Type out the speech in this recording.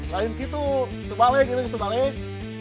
lain gitu sebalik sebalik